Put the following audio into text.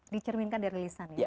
dicerminkan dari lisan